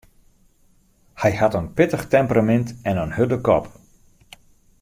Hy hat in pittich temperamint en in hurde kop.